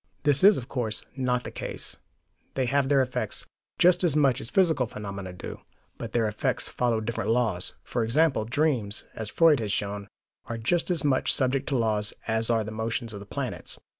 This is, of course, not the case: they have their effects, just as much as physical phenomena do, but their effects follow different laws. For example, dreams, as Freud has shown, are just as much subject to laws as are the motions of the planets.